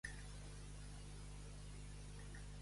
Aquesta cançó que està sonant no em fa patxoca.